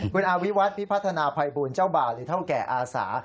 คุณอาวิวัฒน์พิพัฒนาภัยบูลเจ้าบ่าวหรือเท่าแก่อาสา